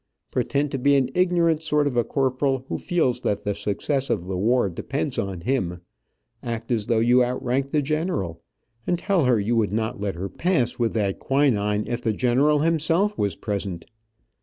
Pretend to be an ignorant sort of a corporal who feels that the success of the war depends on him, act as though you outranked the general, and tell her you would not let her pass with that quinine if the general himself was present.